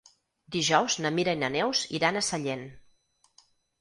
Dijous na Mira i na Neus iran a Sellent.